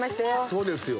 そうですよ。